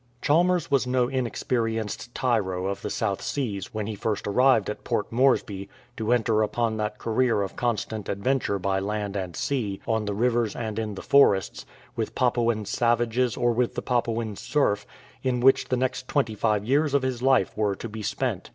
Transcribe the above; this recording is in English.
Chalmers was no inexperienced tyro of the South Seas when he first arrived at Port Moresby to enter upon that career of constant adventure by land and sea, on the rivers and in the forests, with Papuan savages or with the Papuan surf, in which the next twenty five years of his life were to be spent.